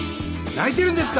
泣いてるんですか？